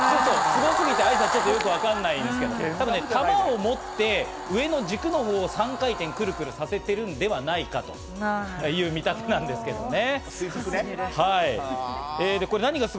すごすぎて、愛さん、よくわかんないですけど、玉を持って上の軸のほうを３回転、クルクルさせているんではないかという見立てなんですけれどね。